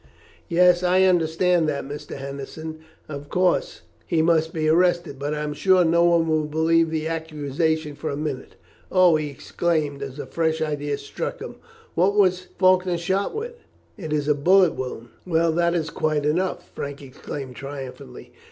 "Yes, I understand that, Mr. Henderson. Of course he must be arrested, but I am sure no one will believe the accusation for a minute. Oh!" he exclaimed, as a fresh idea struck him, "what was Faulkner shot with?" "It is a bullet wound." "Well, that is quite enough," Frank exclaimed triumphantly.